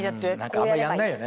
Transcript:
あんまりやんないよね。